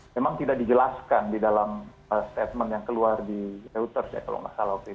memang tidak dijelaskan di dalam statement yang keluar di reuters ya kalau nggak salah waktu itu